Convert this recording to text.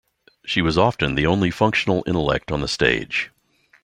She was often the only functional intellect on the stage.